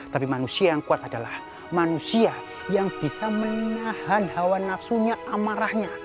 tapi manusia yang kuat adalah manusia yang bisa menahan hawa nafsunya amarahnya